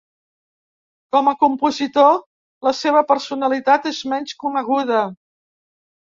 Com a compositor, la seva personalitat és menys coneguda.